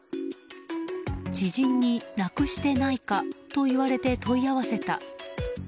知人になくしてないかといわれて問い合わせた。